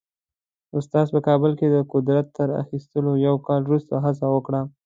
استاد په کابل کې د قدرت تر اخیستو یو کال وروسته هڅه وکړه.